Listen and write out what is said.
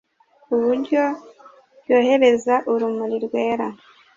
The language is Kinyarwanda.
ku buryo ryohereza urumuri rwera